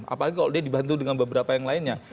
apalagi kalau dia dibantu dengan beberapa yang lainnya